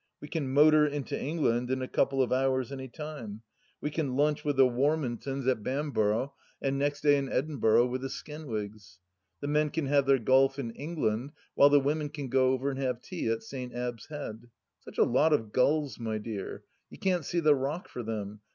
We can motor into England in a couple of hours any time. We can lunch with the Warmintons at 64 THE LAST DITCH 65 Bamburgh, and next day in Edinburgh with the Skenwigs. The men can have their golf in England while the women can go over and have tea at St. Abb's Head. Such a lot of gulls, my dear, you can't see the rock for them